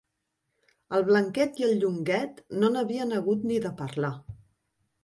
El Blanquet i el Llonguet no n'havien hagut ni de parlar.